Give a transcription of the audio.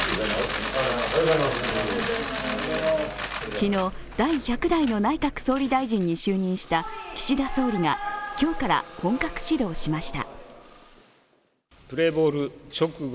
昨日、第１００代の内閣総理大臣に就任した岸田総理が今日から本格始動しました。